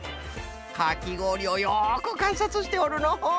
かきごおりをよくかんさつしておるのう。